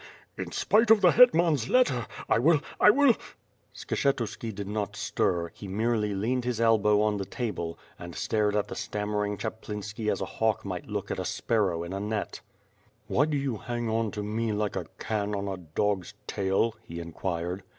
In spite of the Ilet man's letter! I wiU— I will—." Skshetuski did not stir, he merely leaned his elbow on the table, and stared at the stammering Chaplinski as a hawk might look at a sparow in a net. 22 ^/rff FIRE AND 8W0RD, "Why do you hang on to me like a can on a dog's tail?" he inquired.